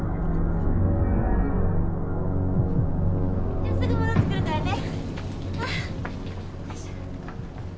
じゃすぐ戻ってくるからね。